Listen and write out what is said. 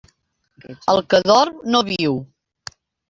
El que dorm, no viu.